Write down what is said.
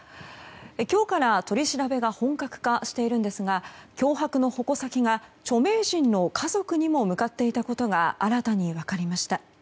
今日から取り調べが本格化しているんですが脅迫の矛先が著名人の家族にも向かっていたことが新たに分かりました。